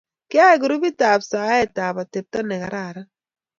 Kiayay grupit ab saet saet ab atepto ne kararan